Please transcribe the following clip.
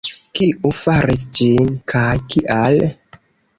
Kiu faris ĝin, kaj kial?